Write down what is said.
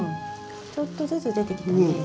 ちょっとずつ出てきたね。